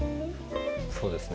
そうですね。